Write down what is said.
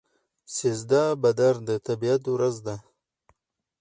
سیزده بدر د طبیعت ورځ ده.